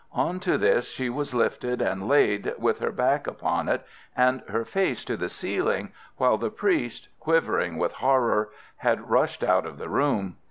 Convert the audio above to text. On to this she was lifted and laid, with her back upon it, and her face to the ceiling, while the priest, quivering with horror, had rushed out of the room.